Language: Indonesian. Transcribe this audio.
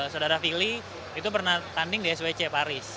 saudara fili itu pernah tanding di swc paris